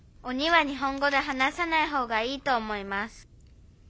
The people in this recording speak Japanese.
「鬼は日本語で話さない方がいいと思います」。